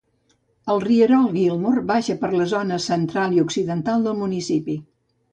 El rierol Gilmore baixa per les zones central i occidental del municipi.